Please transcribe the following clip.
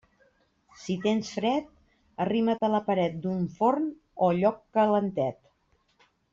Si tens fred, arrima't a la paret d'un forn o lloc calentet.